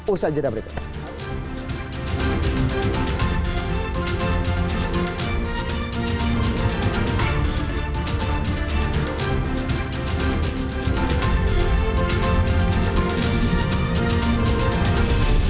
usaha jadwal berikutnya